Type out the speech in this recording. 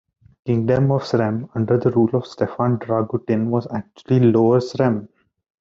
Kingdom of Srem under the rule of Stefan Dragutin was actually Lower Srem.